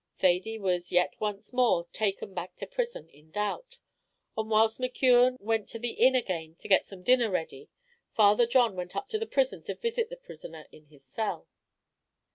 Thady was yet once more taken back to prison in doubt, and whilst McKeon went to the inn again to get some dinner ready, Father John went up to the prison to visit the prisoner in his cell.